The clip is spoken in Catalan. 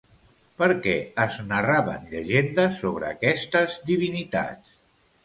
Per què es narraven llegendes sobre aquestes divinitats?